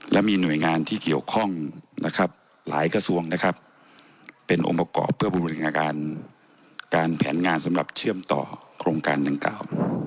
และมีหน่วยงานที่เกี่ยวข้องนะครับหลายกระทรวงนะครับเป็นองค์ประกอบเพื่อบริการการแผนงานสำหรับเชื่อมต่อโครงการดังกล่าว